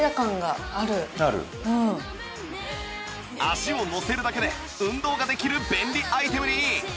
足をのせるだけで運動ができる便利アイテムに